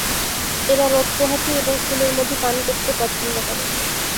এরা রোদ পোহাতে এবং ফুলের মধু পান করতে পছন্দ করে।